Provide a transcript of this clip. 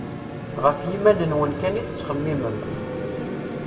Γef yiman-nwen kan i tettxemmimem.